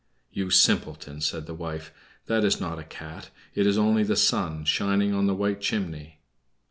"You simpleton!" said the wife, "that is not a cat; it is only the sun shining on the white chimney."